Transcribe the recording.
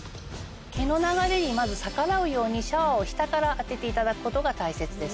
毛の流れにまず逆らうようにシャワーを下から当てていただくことが大切です。